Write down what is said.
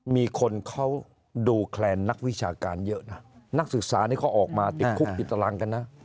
มีคนเขาดูแคลนนักวิชาการเยอะนะนักศึกษานี่เขาออกมาติดคุกติดตารางกันนะ